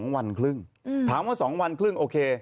๒วันครึ่งถามว่า๒วันครึ่งโอเค